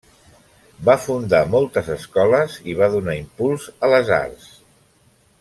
Va fundar moltes escoles i va donar impuls a les arts.